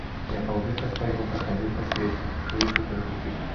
Я паўвека свайго прахадзіў па свеце, шыючы кажухі.